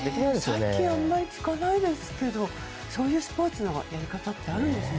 最近あまり聞かないですけどそういうスポーツのやり方ってあるんですね。